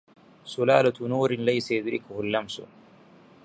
سلالة نور ليس يدركه اللمس